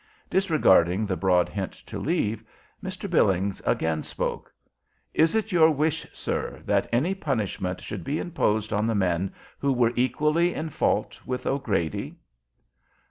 Disregarding the broad hint to leave, Mr. Billings again spoke: "Is it your wish, sir, that any punishment should be imposed on the men who were equally in fault with O'Grady?"